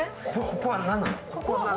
ここはなんなの？